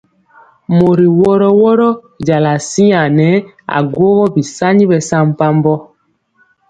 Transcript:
Mɔri wɔro wɔro jala siaŋg nɛ aguógó bisaŋi bɛsampabɔ.